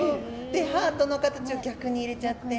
ハートの形を逆に入れちゃって。